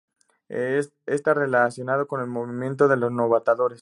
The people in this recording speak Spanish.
Está relacionado con el movimiento de los novatores.